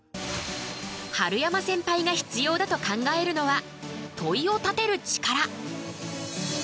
春山センパイが必要だと考えるのは「問いを立てる力」。